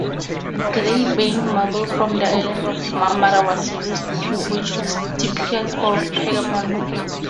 Grey-veined marble from the island of Marmara was used, which was typical for Pergamon.